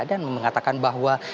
dan mengatakan bahwa ia tetap